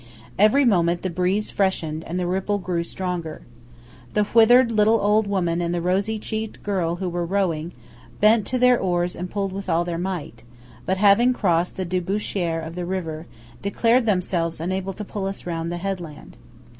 Every moment, the breeze freshened and the ripple grew stronger. The withered little old woman and the rosy cheeked girl who were rowing, bent to their oars and pulled with all their might; but, having crossed the debouchure of the river, declared themselves unable to pull us round the headland.